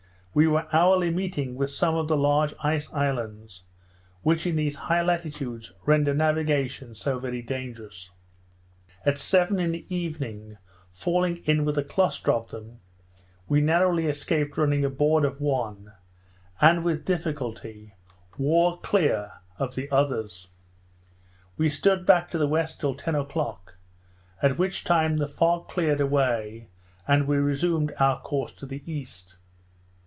We were hourly meeting with some of the large ice islands, which, in these high latitudes, render navigation so very dangerous: At seven in the evening, falling in with a cluster of them, we narrowly escaped running aboard of one, and, with difficulty, wore clear of the others. We stood back to the west till ten o'clock; at which time the fog cleared away, and we resumed our course to the east.